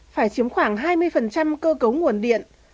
phải chiếm khoảng hai mươi cơ cấu nguồn điện